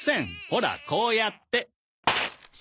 ほらこうやって。